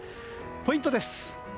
ポイントです。